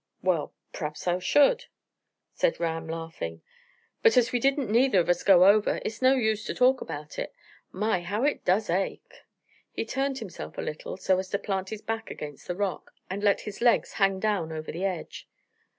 "Well, praps I should," said Ram, laughing; "but, as we didn't neither of us go over, it's no use to talk about it. My! How it does ache!" He turned himself a little, so as to plant his back against the rock, and let his legs hang down over the edge.